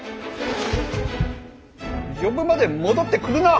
呼ぶまで戻ってくるな。